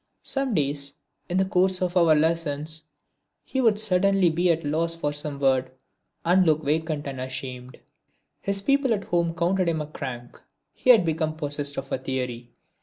Some days in the course of our lessons he would suddenly be at a loss for some word and look vacant and ashamed. His people at home counted him a crank. He had become possessed of a theory.